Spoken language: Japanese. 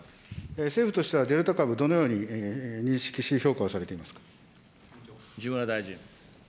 政府としてはデルタ株、どのように認識し評価をされています西村大臣。